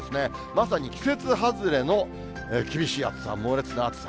まさに季節外れの厳しい暑さ、猛烈な暑さ。